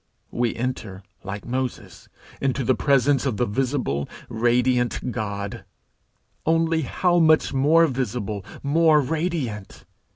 We enter, like Moses, into the presence of the visible, radiant God only how much more visible, more radiant!